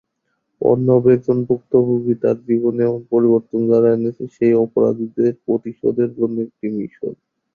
অর্ণব একজন ভুক্তভোগী তার জীবনে এমন পরিবর্তন যারা এনেছে সেই অপরাধীদের প্রতিশোধের জন্য একটি মিশন।